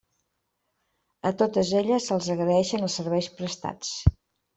A totes elles se'ls agraeixen els serveis prestats.